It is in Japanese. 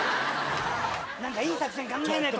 何かいい作戦考えないと。